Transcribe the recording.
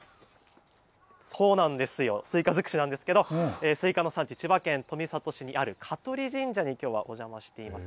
そうなんですよ、スイカ尽くしなんですけど、スイカの産地、千葉県富里市にある香取神社にきょうはお邪魔しています。